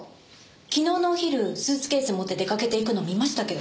昨日のお昼スーツケース持って出かけていくの見ましたけど。